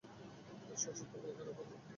শ্বশুর, তুমি এখনো ঘুমাওনি কেন?